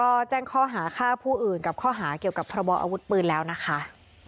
ก็แจ้งข้อหาฆ่าผู้อื่นกับข้อหาเกี่ยวกับพระบออาวุธปืนแล้วนะคะ